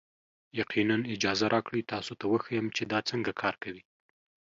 یقینا، اجازه راکړئ تاسو ته وښیم چې دا څنګه کار کوي.